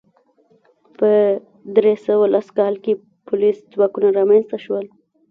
په درې سوه لس کال کې پولیس ځواکونه رامنځته شول